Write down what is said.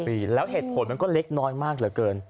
ปีแล้วเหตุผลมันก็เล็กน้อยมากเหลือเกิน